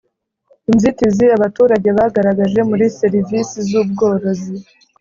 Inzitizi abaturage bagaragaje muri serivisi z ubworozi